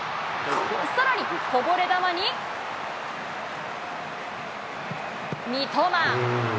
さらに、こぼれ球に三笘。